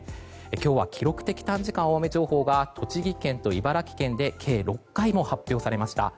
今日は記録的短時間大雨情報が栃木県と茨城県で計６回も発表されました。